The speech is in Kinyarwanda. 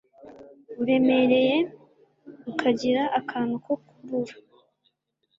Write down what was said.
uremereye ukagira akantu ko kurura